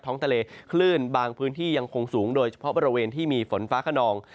ทะเลคลื่นบางพื้นที่ยังคงสูงโดยเฉพาะบริเวณที่มีฝนฟ้าขนอง